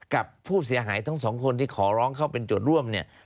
กับผู้เสียหายทั้งสองคนที่ขอร้องเข้าเป็นโจทย์ร่วมเนี่ย